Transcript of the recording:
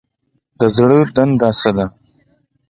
د زړه دنده څه ده؟